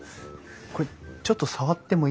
これちょっと触ってもいいですかね？